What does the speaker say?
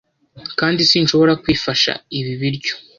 Kandi sinshobora kwifasha ibibiryo